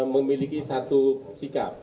memiliki satu sikap